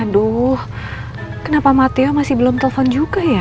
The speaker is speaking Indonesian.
aduh kenapa mateo masih belum telfon juga ya